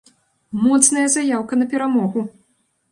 Моцная заяўка на перамогу!